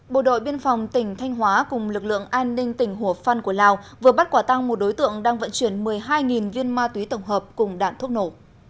bộ đội biên phòng tỉnh thanh hóa cùng lực lượng an ninh tỉnh hồ phan của lào vừa bắt quả tăng một đối tượng đang vận chuyển một mươi hai viên ma túy tổng hợp cùng đạn thuốc nổ